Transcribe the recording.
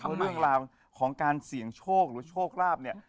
เพราะเรื่องราวของการเสี่ยงโชคหรือโชคลาภเนี่ย